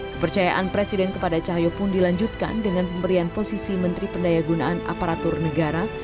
kepercayaan presiden kepada cahyo pun dilanjutkan dengan pemberian posisi menteri pendayagunaan aparatur negara